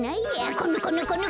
このこのこの！